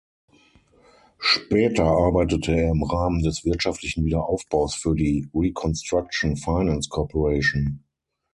Später arbeitete er im Rahmen des wirtschaftlichen Wiederaufbaus für die Reconstruction Finance Corporation.